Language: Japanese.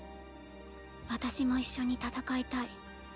私も一緒に戦いたい。